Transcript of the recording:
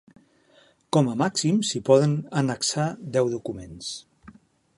Com a màxim s'hi poden annexar deu documents.